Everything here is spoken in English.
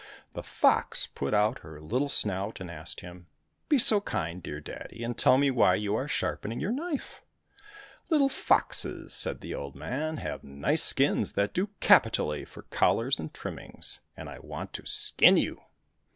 The fox put out her little snout and asked him, "Be so kind, dear daddy, and tell me why you are sharpening your knife !"—" Little foxes," said the old man, " have nice skins that do capitally for collars and trimmings, and I want to skin you